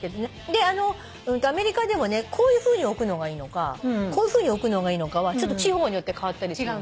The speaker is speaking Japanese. でアメリカでもこういうふうに置くのがいいのかこういうふうに置くのがいいのかは地方によって変わったりする。